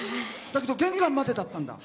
だけど玄関までだったんだ。